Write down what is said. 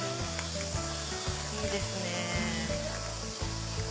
いいですね。